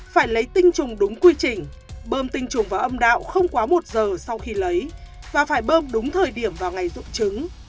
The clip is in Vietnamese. phải lấy tinh chủng đúng quy trình bơm tinh chủng vào âm đạo không quá một giờ sau khi lấy và phải bơm đúng thời điểm vào ngày dụng trứng